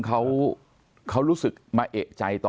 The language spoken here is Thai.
หรือว่าคนเขารู้สึกมาเอกใจตอนนี้